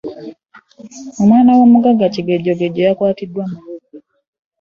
Omwana w'omugagga Kigejjogenjo yakwatiddwa mu bubbi.